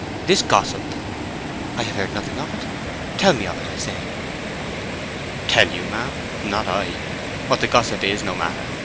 This gossip—" "I have heard nothing of it. Tell me of it, I say." "Tell you, ma'am—not I. What the gossip is, no matter.